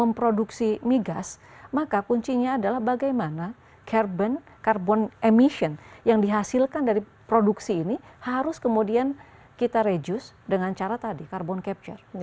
memproduksi migas maka kuncinya adalah bagaimana carbon emission yang dihasilkan dari produksi ini harus kemudian kita reduce dengan cara tadi carbon capture